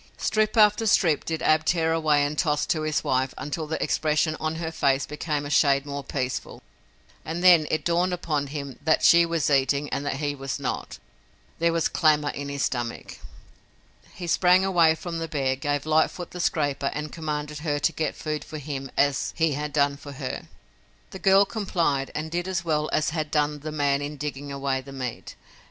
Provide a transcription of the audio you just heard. Strip after strip did Ab tear away and toss to his wife until the expression on her face became a shade more peaceful and then it dawned upon him that she was eating and that he was not. There was clamor in his stomach. He sprang away from the bear, gave Lightfoot the scraper and commanded her to get food for him as he had done for her. The girl complied and did as well as had done the man in digging away the meat.